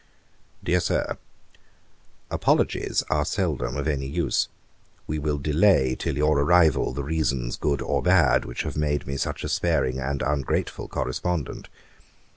'DEAR SIR, 'Apologies are seldom of any use. We will delay till your arrival the reasons, good or bad, which have made me such a sparing and ungrateful correspondent.